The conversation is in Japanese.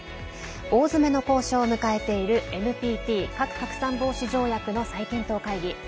大詰めの交渉を迎えているＮＰＴ＝核拡散防止条約の再検討会議。